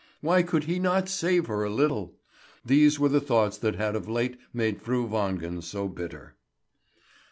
Why could he not save her a little? These were the thoughts that had of late made Fru Wangen so bitter.